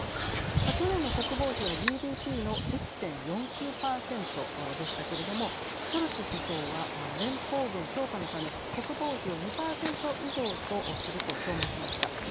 去年の国防費はＧＤＰの１．４９％でしたけれどもショルツ首相は連邦軍強化のため国防費を２％以上とすると表明しました。